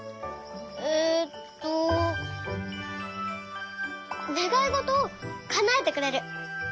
えっとねがいごとをかなえてくれる。